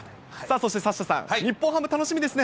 そしてサッシャさん、日本ハム楽しみですね。